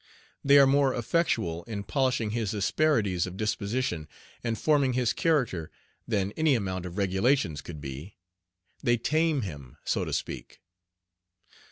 They are more effectual in polishing his asperities of disposition and forming his character than any amount of regulations could be. They tame him, so to speak.